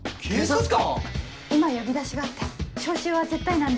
今呼び出しがあって招集は絶対なんで。